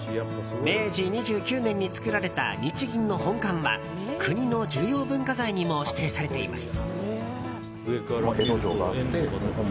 明治２９年に作られた日銀の本館は国の重要文化財にも指定されています。